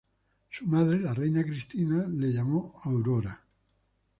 Su madre, la reina Cristina la llamó Aurora.